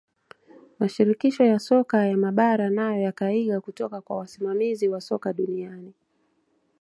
mashirikisho ya soka ya mabara nayo yakaiga kutoka kwa wasimamizi wa soka duniani